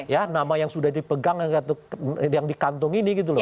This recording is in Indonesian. ya nama yang sudah dipegang yang dikantong ini gitu loh